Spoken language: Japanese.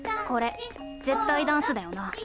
これ絶対ダンスだよな。